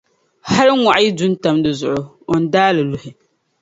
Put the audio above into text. hali ŋɔɣu yi du n-tam di zuɣu, o ni daai li luhi!